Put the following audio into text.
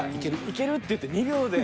「いける」って言って２秒で。